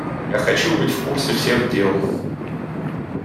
Я хочу быть в курсе всех дел.